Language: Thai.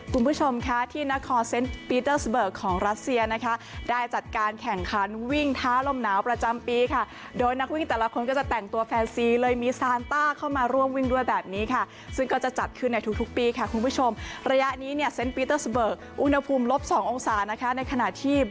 คุณผู้ชมค่ะที่นครเซ็นต์ปีเตอร์สเบิกของรัสเซียนะคะได้จัดการแข่งขันวิ่งท้าลมหนาวประจำปีค่ะโดยนักวิ่งแต่ละคนก็จะแต่งตัวแฟนซีเลยมีซานต้าเข้ามาร่วมวิ่งด้วยแบบนี้ค่ะซึ่งก็จะจัดขึ้นในทุกทุกปีค่ะคุณผู้ชมระยะนี้เนี่ยเซ็นต์ปีเตอร์สเบิกอุณหภูมิลบสององศานะคะในขณะที่